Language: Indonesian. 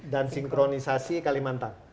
dan sinkronisasi kalimantan